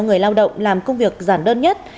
người lao động làm công việc giản đơn nhất